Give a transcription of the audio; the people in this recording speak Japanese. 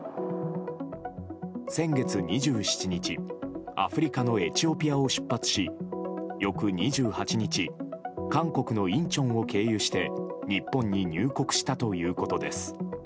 先月２７日アフリカのエチオピアを出発し翌２８日韓国のインチョンを経由して日本に入国したということです。